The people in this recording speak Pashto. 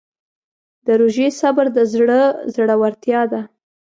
د روژې صبر د زړه زړورتیا ده.